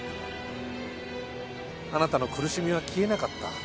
あなたの苦しみは消えなかった。